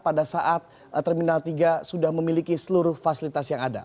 pada saat terminal tiga sudah memiliki seluruh fasilitas yang ada